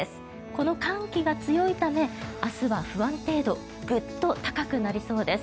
この寒気が強いため明日は不安定度グッと高くなりそうです。